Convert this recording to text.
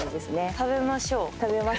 食べましょう。